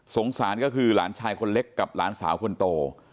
สารก็คือหลานชายคนเล็กกับหลานสาวคนโต